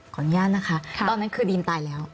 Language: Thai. อนุญาตนะคะตอนนั้นคือดีนตายแล้ว